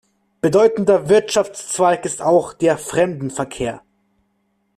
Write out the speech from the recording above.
Bedeutender Wirtschaftszweig ist auch der Fremdenverkehr.